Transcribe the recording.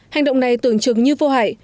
hành động này tưởng chừng như vô hại